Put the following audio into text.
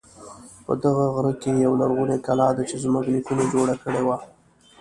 په دې غره کې یوه لرغونی کلا ده چې زمونږ نیکونو جوړه کړی و